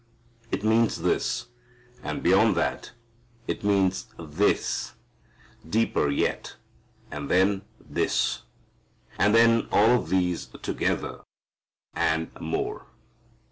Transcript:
It means this, and beyond that, it means this, deeper yet, and then this. And then all of these together, and more.